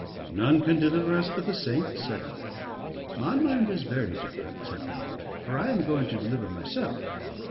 "None can deliver us but the saints," said I. "My mind is very different," said Ballantrae; "for I am going to deliver myself.